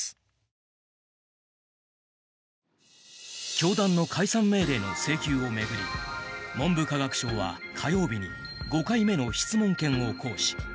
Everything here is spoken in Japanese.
教団の解散命令の請求を巡り文部科学省は火曜日に５回目の質問権を行使。